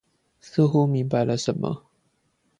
似乎明白了什麼